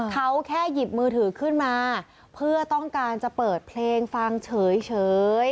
เขาแค่หยิบมือถือขึ้นมาเพื่อต้องการจะเปิดเพลงฟังเฉย